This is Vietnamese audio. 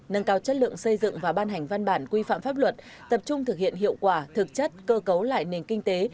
nâng cao chất lượng xây dựng và ban hành văn bản quy phạm pháp luật tập trung thực hiện hiệu quả thực chất cơ cấu lại nền kinh tế